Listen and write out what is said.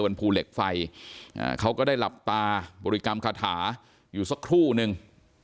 ภูเหล็กไฟเขาก็ได้หลับตาบริกรรมคาถาอยู่สักครู่นึง